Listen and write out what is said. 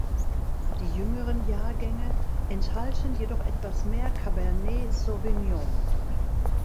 Die jüngeren Jahrgänge enthalten jedoch etwas mehr Cabernet Sauvignon.